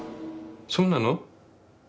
そうなの？